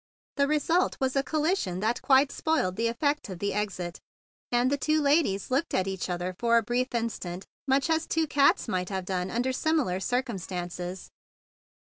The result was a collision that quite spoiled the effect of the exit, and the two ladies looked at each other for a brief instant much as two cats might have done under similar circumstances.